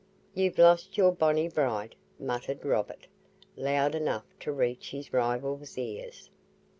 "You've lost your bonnie bride," muttered Robert, loud enough to reach his rival's ears.